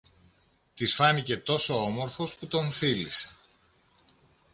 Της φάνηκε τόσο όμορφος, που τον φίλησε.